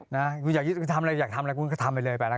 ถ้าอยากจะทำอะไร๑๙๔๒หลายคู่ก็ทำรึเปล่า